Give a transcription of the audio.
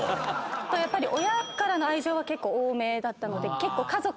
あとやっぱり親からの愛情は多めだったので結構。